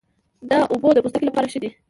دا اوبه د پوستکي لپاره ښې دي.